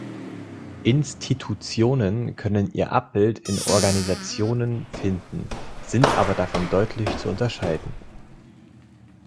Institutionen können ihr Abbild in Organisationen finden, sind aber davon deutlich zu unterscheiden.